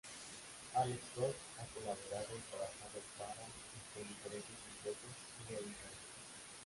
Alex Toth ha colaborado y trabajado para y con diferentes empresas y editoriales.